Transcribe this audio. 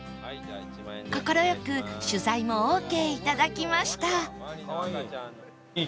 快く取材もオーケー頂きました